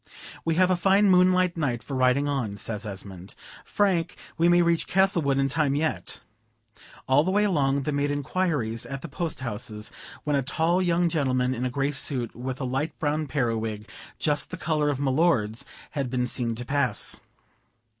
"We have a fine moonlight night for riding on," says Esmond; "Frank, we may reach Castlewood in time yet." All the way along they made inquiries at the post houses, when a tall young gentleman in a gray suit, with a light brown periwig, just the color of my lord's, had been seen to pass.